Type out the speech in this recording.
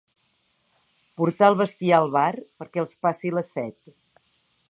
Portar el bestiar al bar perquè els passi la set.